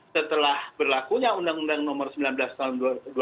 setelah berlakunya undang undang nomor sembilan belas tahun dua ribu dua